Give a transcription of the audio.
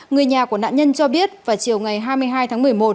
người nhà của nạn nhân cho biết vào chiều hai mươi hai một mươi một